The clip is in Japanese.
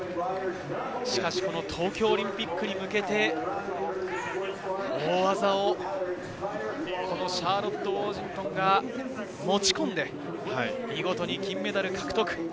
しかし東京オリンピックに向けて、大技をシャーロット・ウォージントンが持ち込んで、見事に金メダル獲得。